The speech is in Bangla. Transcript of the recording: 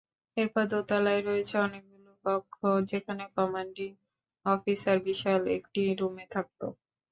এরপর দোতলায় রয়েছে অনেকগুলো কক্ষ, যেখানে কমান্ডিং অফিসার বিশাল একটি রুমে থাকত।